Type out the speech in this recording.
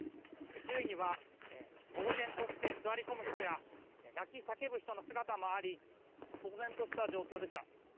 周囲にはぼうぜんとして座り込む人や泣き叫ぶ人の姿もあり騒然とした状況でした。